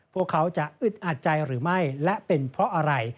พวกเขาจะอึดอัดใจหรือไม่และเป็นเพราะอะไร